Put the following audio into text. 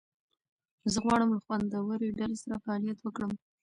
زه غواړم له خوندورې ډلې سره فعالیت وکړم.